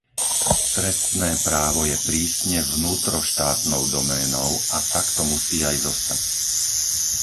Trestné právo je prísne vnútroštátnou doménou a tak to musí aj zostať.